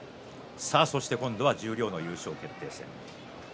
今度は十両の優勝決定戦。